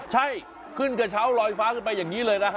ใช่ขึ้นกระเช้าลอยฟ้าขึ้นไปอย่างนี้เลยนะฮะ